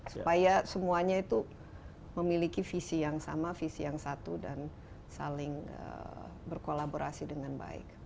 supaya semuanya itu memiliki visi yang sama visi yang satu dan saling berkolaborasi dengan baik